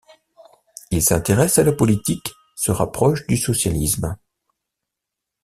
Il s'intéresse à la politique, se rapproche du socialisme.